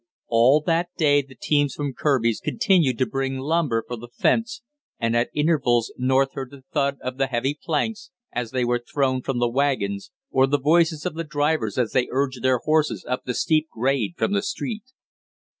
All that day the teams from Kirby's continued to bring lumber for the fence, and at intervals North heard the thud of the heavy planks as they were thrown from the wagons, or the voices of the drivers as they urged their horses up the steep grade from the street.